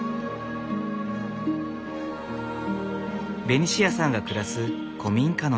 ベニシアさんが暮らす古民家の庭。